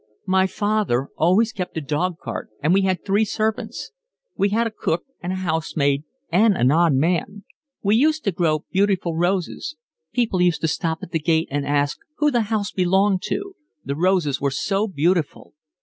"My father always kept a dog cart, and we had three servants. We had a cook and a housemaid and an odd man. We used to grow beautiful roses. People used to stop at the gate and ask who the house belonged to, the roses were so beautiful.